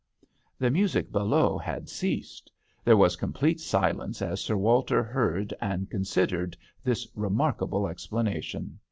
The music below had ceased. There was complete silence as Sir Walter heard and considered this remarkable explanation.